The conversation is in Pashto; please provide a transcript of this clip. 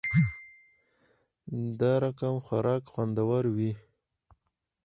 دا رقمخوراک خوندور وی